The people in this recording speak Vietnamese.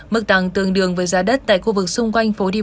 mức tăng tương đương với giá đất tại khu vực xung quanh phố đi bộ nguyễn huệ